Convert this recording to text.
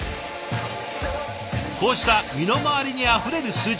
こうした身の回りにあふれる数字。